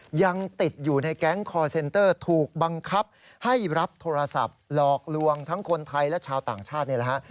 ยังติดอยู่ในแก๊งคอร์เซนเตอร์ถูกบังคับให้รับโทรศัพท์หลอกลวงทั้งคนไทยและชาวต่างชาตินี่แหละฮะ